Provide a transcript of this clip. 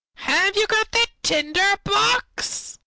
"Have you got the tinder box?"